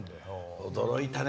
驚いたね。